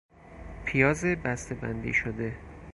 پیاز بستهبندی شده